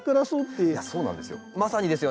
いやそうなんですよ。